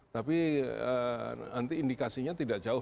tapi nanti indikasinya tidak jauh